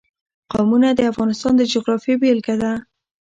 قومونه د افغانستان د جغرافیې بېلګه ده.